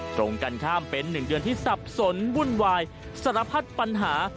ตรงกันข้ามเป็น๑เดือนที่สับสนวุ่นวายสารพัดปัญหา